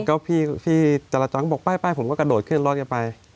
ก็พี่จราจังบอกป้ายผมก็กระโดดขึ้นรอดไป